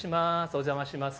お邪魔します。